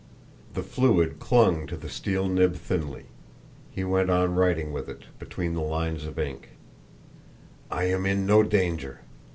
The fluid clung to the steel nib thinly; he went on writing with it, between the lines of ink: "I am in no danger.